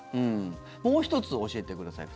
もう１つ教えてください。